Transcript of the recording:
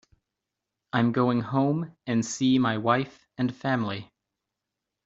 I'm going home and see my wife and family.